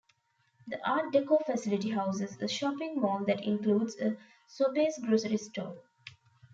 The Art Deco facility houses a shopping mall that includes a Sobeys grocery store.